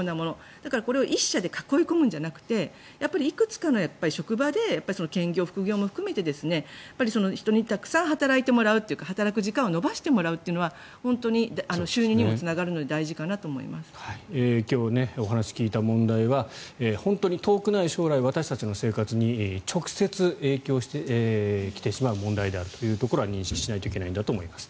だからこれを１社で囲い込むんじゃなくていくつかの職場で兼業、副業も含めて人にたくさん働いてもらうというか働く時間を延ばしてもらうのは収入にもつながるので今日、お話を聞いた問題は本当に遠くない将来私たちの生活に直接影響してきてしまう問題であるというところは認識しないといけないんだと思います。